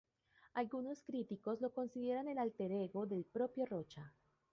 Algunos críticos lo consideran el álter ego del propio Rocha.